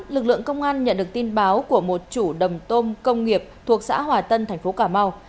lực lượng công an nhận được tin báo của một chủ đầm tôm công nghiệp thuộc xã hòa tân thành phố cà mau